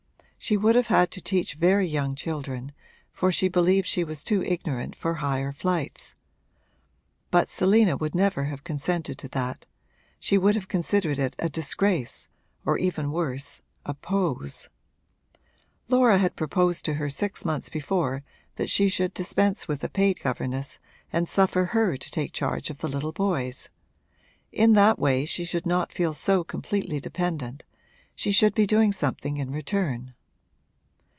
She would have had to teach very young children, for she believed she was too ignorant for higher flights. But Selina would never have consented to that she would have considered it a disgrace or even worse a pose. Laura had proposed to her six months before that she should dispense with a paid governess and suffer her to take charge of the little boys: in that way she should not feel so completely dependent she should be doing something in return.